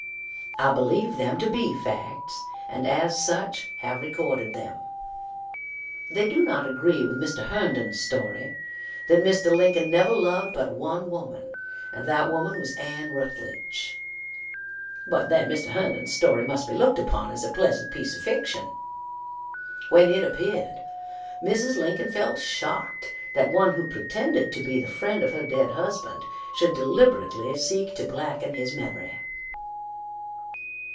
I believe them to be facts, and as such have recorded them. They do not agree with Mr. Herndon's story, that Mr. Lincoln never loved but one woman, and that woman was Ann Rutledge; but then Mr. Herndon's story must be looked upon as a pleasant piece of fiction. When it appeared, Mrs. Lincoln felt shocked that one who pretended to be the friend of her dead husband should deliberately seek to blacken his memory.